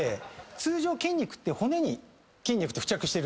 通常筋肉って骨に筋肉付着しているんですね。